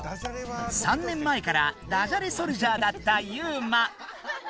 ３年前から「だじゃれソルジャー」だったユウマ！